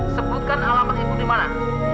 sebutkan alamat ibu di mana